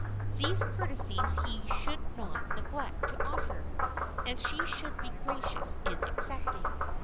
These courtesies he should not neglect to offer, and she should be gracious in accepting.